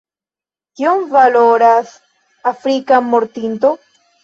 Kiom valoras afrika mortinto?